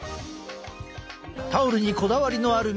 タオルにこだわりのある皆さん。